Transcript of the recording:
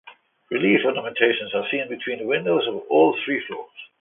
Relief ornamentation are seen between the windows on all three floors.